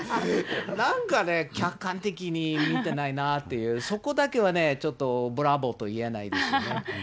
なんかね、客観的に見てないなあっていう、そこだけはね、ちょっとブラボーと言えないですよね。